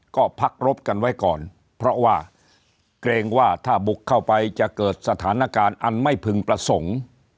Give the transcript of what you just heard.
ก็พักรบกันไว้ก่อนเพราะว่าเกรงว่าถ้าบุกเข้าไปจะเกิดสถานการณ์อันไม่พึงประสงค์